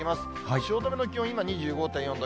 汐留の気温、今、２５．４度。